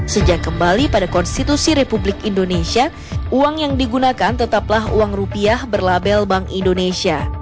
sejak kembali pada konstitusi republik indonesia uang yang digunakan tetaplah uang rupiah berlabel bank indonesia